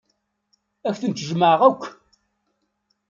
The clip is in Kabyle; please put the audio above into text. Ad kent-jjmeɣ akk.